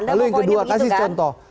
lalu yang kedua kasih contoh